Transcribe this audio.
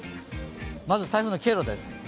まず台風の経路です。